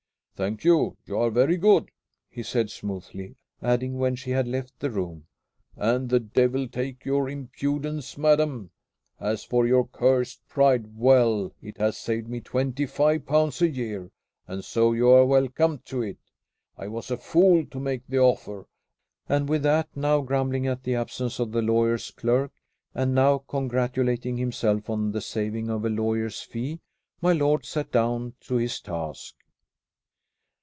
"Thank you. You are very good," he said smoothly; adding, when she had left the room, "and the devil take your impudence, madam! As for your cursed pride well, it has saved me twenty five pounds a year, and so you are welcome to it. I was a fool to make the offer." And with that, now grumbling at the absence of the lawyer's clerk, and now congratulating himself on the saving of a lawyer's fee, my lord sat down to his task.